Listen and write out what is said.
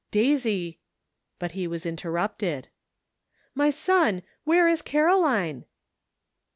Daisy" — but he was interrupted. "My son, where is Caroline?"